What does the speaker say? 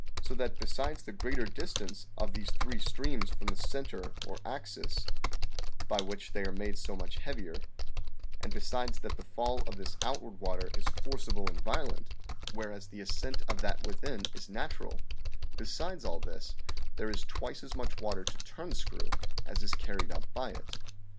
So that besides the greater distance of these three streams from the center or axis by 50 THE SEVEN FOLLIES OF SCIENCE which they are made so much heavier; and besides that the fall of this outward water is forcible and violent, whereas the ascent of that within is natural besides all this, there is twice as much water to turn the screw as is carried up by it.